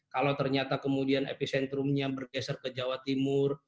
kalau ternyata kemudian epicentrumnya bergeser ke jawa timur